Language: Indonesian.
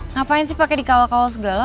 ngapain sih pakai dikawal kawal segala